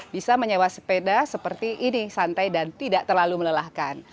bisa menyewa sepeda seperti ini santai dan tidak terlalu melelahkan